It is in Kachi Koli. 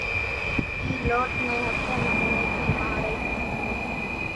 اِي لوٽ نين ۿڦري نموني ٿي مانۿري سي